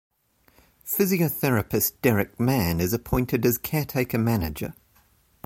Physiotherapist Derek Mann is appointed as caretaker manager.